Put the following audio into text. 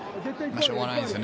しょうがないですね。